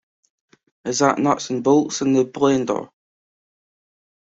Is that nuts and bolts in the blender?